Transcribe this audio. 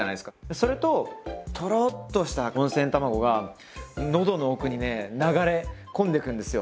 それとトローッとした温泉卵が喉の奥にね流れ込んでくんですよ。